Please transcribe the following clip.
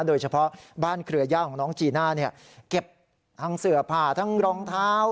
โดยเฉพาะบ้านเครือย่าของน้องจีน่าเนี่ยเก็บทั้งเสือผ่าทั้งรองเท้า